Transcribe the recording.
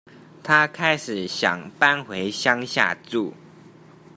她開始想搬回鄉下住